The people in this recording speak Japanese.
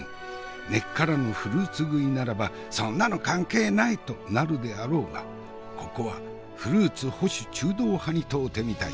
根っからのフルーツ食いならば「そんなの関係ない！」となるであろうがここはフルーツ保守中道派に問うてみたい。